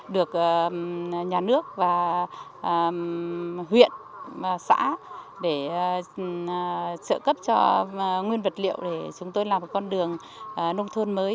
được nhà nước và huyện xã để trợ cấp cho nguyên vật liệu để chúng tôi làm một con đường nông thôn mới